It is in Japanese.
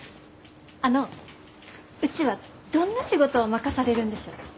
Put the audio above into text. あのうちはどんな仕事を任されるんでしょう？